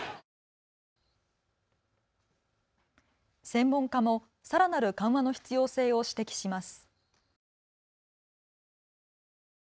専門家もさらなる緩和の必要性を指摘します。